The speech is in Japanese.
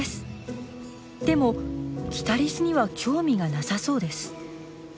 でもキタリスには興味がなさそうです。